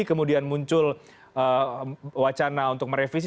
kemudian muncul wacana untuk merevisi